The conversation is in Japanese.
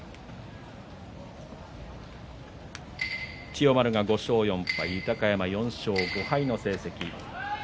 千代丸は５勝４敗豊山は４勝５敗の成績。